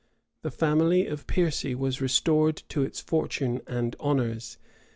The family of Piercy was restored to its fortune and honors.